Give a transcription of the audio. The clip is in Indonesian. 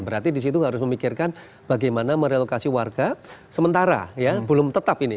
berarti disitu harus memikirkan bagaimana merelokasi warga sementara ya belum tetap ini